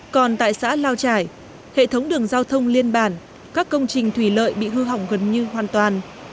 còn tại xã lao trải hệ thống đường giao thông liên bản các công trình thủy lợi bị hư hỏng gần như hoàn toàn